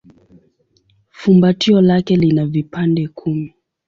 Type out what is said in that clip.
Fumbatio lake lina vipande kumi.